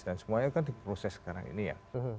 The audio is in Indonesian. dan semuanya kan diproses sekarang ini ya